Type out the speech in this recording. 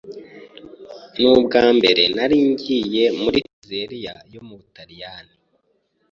Nubwambere nariye muri pizzeria yo mubutaliyani.